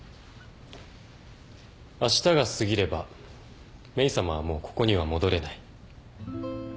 あしたが過ぎればメイさまはもうここには戻れない。